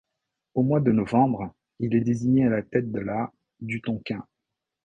Au mois de novembre, il est désigné à la tête de la du Tonkin.